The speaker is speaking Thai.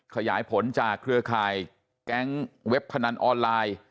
ขยายผลจากเครือข่ายแก๊งเว็บพนันออนไลน์